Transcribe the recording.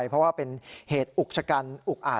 เพราะว่าเป็นเหตุอุกชะกันอุกอาจ